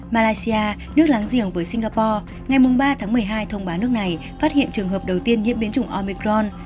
malaysia nước láng giềng với singapore ngày ba tháng một mươi hai thông báo nước này phát hiện trường hợp đầu tiên nhiễm biến chủng omicron